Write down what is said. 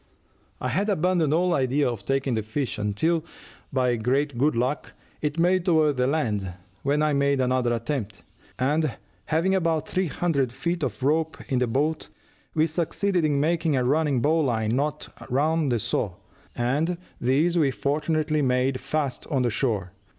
"I had abandoned all idea of taking the fish, until, by great good luck, it made toward the land, when I made another attempt, and having about three hundred feet of rope in the boat, we succeeded in making a running bow line knot round the saw, and this we fortunately made fast on shore.